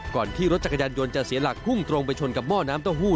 ก่อนที่รถจักรยานยนต์จะเสียหลักพุ่งตรงไปชนกับหม้อน้ำเต้าหู้